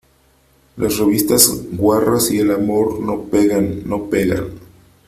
las revistas guarras y el amor no pegan .¡ no pegan !